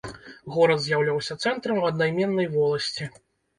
Горад з'яўляўся цэнтрам аднайменнай воласці.